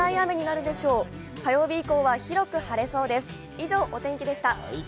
以上、お天気でした。